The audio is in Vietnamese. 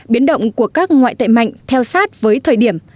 biến động của các ngoại tệ mạnh theo sát với thời điểm